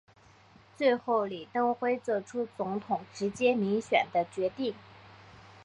最后李登辉做出总统直接民选的决定。